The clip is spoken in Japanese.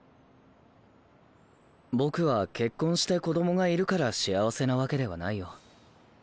僕は結婚して子供がいるから幸せなわけではないよ。